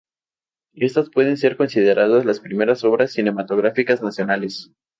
Estas pueden ser consideradas las primeras obras cinematográficas nacionales.